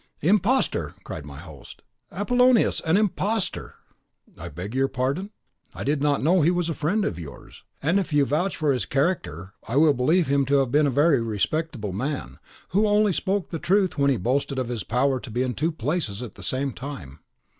"Imposter!" cried my host; "Apollonius an imposter!" "I beg your pardon; I did not know he was a friend of yours; and if you vouch for his character, I will believe him to have been a very respectable man, who only spoke the truth when he boasted of his power to be in two places at the same time."